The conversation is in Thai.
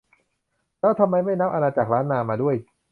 แล้วทำไมไม่นับอาณาจักรล้านนามาด้วย